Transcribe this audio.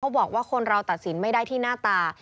บอกว่าคนเราตัดสินไม่ได้ที่หน้าตา